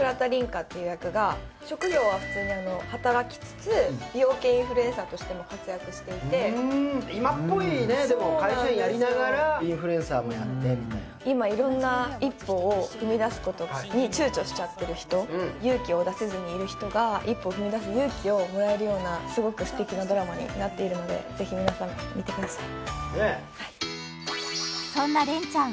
花っていう役が職業は普通に働きつつ美容系インフルエンサーとしても活躍していて今っぽいね会社員やりながらインフルエンサーもやってみたいな今色んな一歩を踏みだすことにちゅうちょしちゃってる人勇気を出せずにいる人が一歩踏みだす勇気をもらえるようなすごくすてきなドラマになっているのでぜひねえはいそんな恋ちゃん